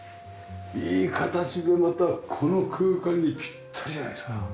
いい形でまたこの空間にぴったりじゃないですか。